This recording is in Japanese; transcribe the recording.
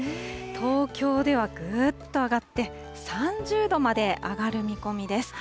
東京ではぐーっと上がって、３０度まで上がる見込みです。